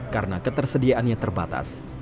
karena ketersediaannya terbatas